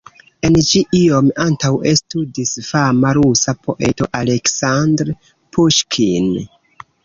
En ĝi iom antaŭe studis fama rusa poeto Aleksandr Puŝkin.